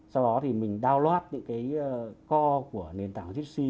sau đó mình download những core của nền tảng jisi